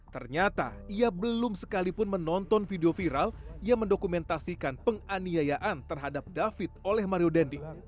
ternyata ia belum sekalipun menonton video viral yang mendokumentasikan penganiayaan terhadap david oleh mario dendi